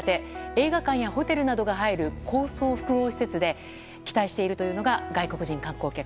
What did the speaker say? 映画館やホテルなどが入る高層複合施設で期待しているというのが外国人観光客。